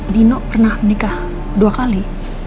dino pernah menikah dua kali